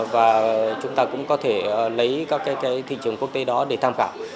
và chúng ta cũng có thể lấy các thị trường quốc tế đó để tham khảo